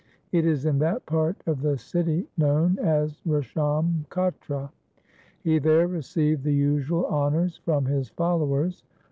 It is in that part of the city known as Resham Katra. He there received the usual honours from his followers.